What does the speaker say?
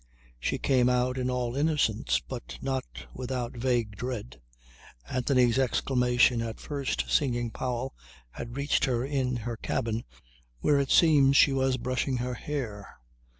She came out in all innocence but not without vague dread. Anthony's exclamation on first seeing Powell had reached her in her cabin, where, it seems, she was brushing her hair.